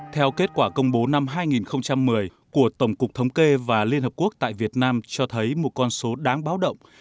theo kết quả công bố năm hai nghìn một mươi của tổng cục thống kê và liên hợp quốc tại việt nam cho thấy một con số đáng báo động